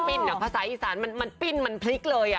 คือมันปิ้นอ่ะภาษาอีสานมันปิ้นมันพลิกเลยอ่ะ